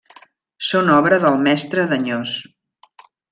Són obra del Mestre d'Anyós.